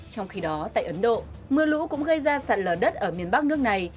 trong khi đó tại ấn độ mưa lũ cũng gây ra sạt lở đất ở miền bắc nước này